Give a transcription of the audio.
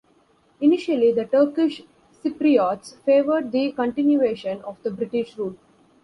Initially, the Turkish Cypriots favoured the continuation of the British rule.